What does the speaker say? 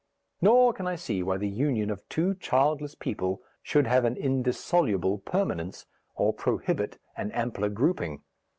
Nor can I see why the union of two childless people should have an indissoluble permanence or prohibit an ampler grouping.